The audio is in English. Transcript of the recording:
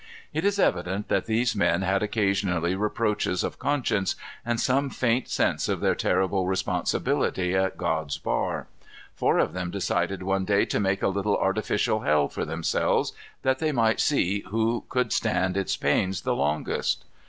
It is evident that these men had occasionally reproaches of conscience, and some faint sense of their terrible responsibility at God's bar. Four of them decided one day to make a little artificial hell for themselves, that they might see who could stand its pains the longest.